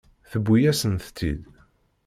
Tewwi-yasent-tt-id.